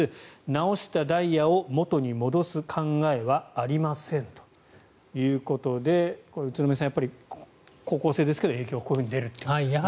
直したダイヤを元に戻す考えはありませんということで宇都宮さん、やっぱり高校生ですけど影響がこういうふうに出るということですね。